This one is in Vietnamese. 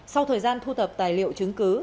sau thời gian thu thập tài liệu chứng cứ